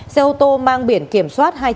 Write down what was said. xe ô tô mang biển kiểm soát